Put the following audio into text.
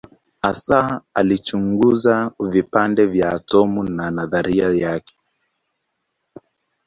Hasa alichunguza vipande vya atomu na nadharia yake.